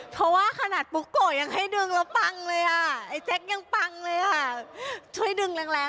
เพราะว่าขนาดปุ๊กโกยังให้ดึงแล้วปังเลยอ่ะ